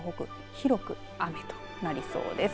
広く雨となりそうです。